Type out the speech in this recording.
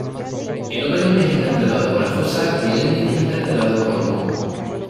El Opening es interpretado por Azusa y el Ending es interpretado por Momo.